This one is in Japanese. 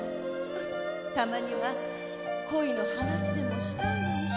たまには恋の話でもしたいのにさ。